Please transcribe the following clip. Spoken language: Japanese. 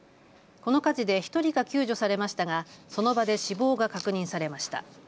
この火事で１人が救助されましたがその場で死亡が確認されました。